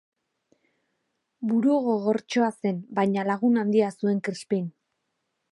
Burugogortxoa zen, baina lagun handia zuen Krispin.